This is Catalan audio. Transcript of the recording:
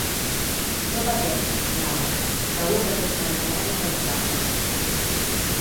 No pateixis, Laura, segur que tot s'arreglarà entre vosaltres.